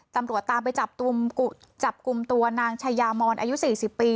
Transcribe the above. ตำรวจตามไปจับกลุ่มตัวนางชายามอนอายุ๔๐ปี